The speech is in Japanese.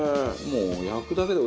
もう。